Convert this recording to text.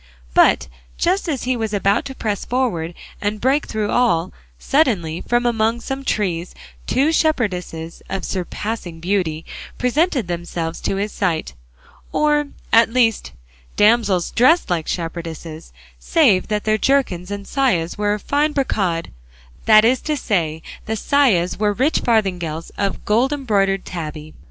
But just as he was about to press forward and break through all, suddenly from among some trees two shepherdesses of surpassing beauty presented themselves to his sight or at least damsels dressed like shepherdesses, save that their jerkins and sayas were of fine brocade; that is to say, the sayas were rich farthingales of gold embroidered tabby.